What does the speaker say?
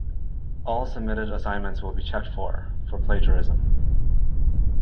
All submitted assignments will be checked for for plagiarism.